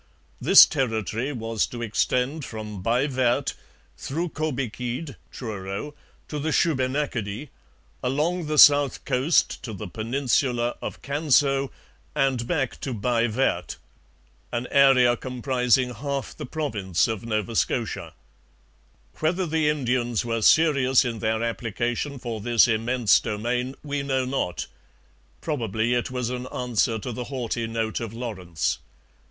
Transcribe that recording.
This territory was to extend from Baie Verte through Cobequid (Truro) to the Shubenacadie, along the south coast to the peninsula of Canso, and back to Baie Verte an area comprising half the province of Nova Scotia. Whether the Indians were serious in their application for this immense domain, we know not; probably it was an answer to the haughty note of Lawrence.